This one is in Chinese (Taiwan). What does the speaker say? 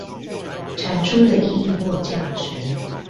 產出的意義或價值